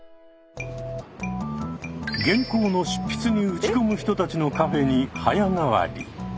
原稿の執筆に打ち込む人たちのカフェに早変わり。